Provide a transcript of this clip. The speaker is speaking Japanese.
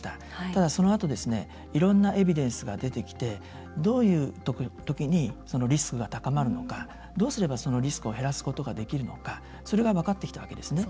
ただ、そのあといろんなエビデンスが出てきてどういう時にそのリスクが高まるのかどうすれば、そのリスクを減らすことができるのかそれが分かってきたわけですね。